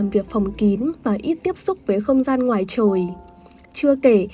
vì mình đã gãy mùi